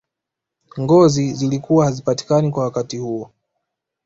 nguo zilikuwa hazipatikani kwa wakati huo